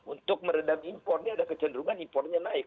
untuk meredam impornya ada kecenderungan impornya naik